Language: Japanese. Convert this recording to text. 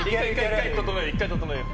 １回、整えよう。